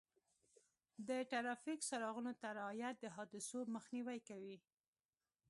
د ټرافیک څراغونو ته رعایت د حادثو مخنیوی کوي.